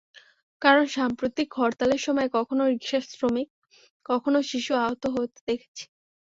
কারণ সাম্প্রতিক হরতালের সময়ে কখনো রিকশাশ্রমিক, কখনো শিশু আহত হতে দেখিছি।